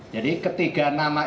jadi ketiga nama ini